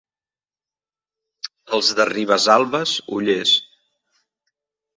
Els de Ribesalbes, ollers.